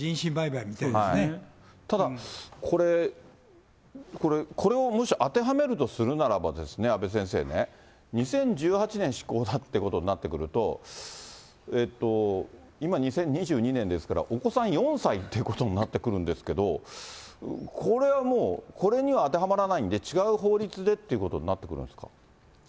ただこれ、これをもし当てはめるとするならばですね、阿部先生ね、２０１８年施行だってことになってくると、今、２０２２年ですから、お子さん４歳ということになってくるんですけど、これはもう、これには当てはまらないんで、違う法律でっていうことになってくるんですか。